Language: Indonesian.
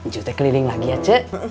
jute keliling lagi ya ce